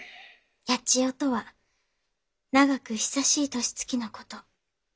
「八千代」とは「長く久しい年月」のこと。